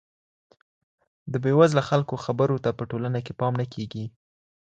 د بې وزلو خلګو خبرو ته په ټولنه کي پام نه کیږي.